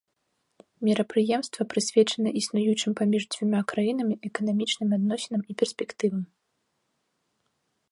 Мерапрыемства прысвечана існуючым паміж дзвюма краінамі эканамічным адносінам і перспектывам.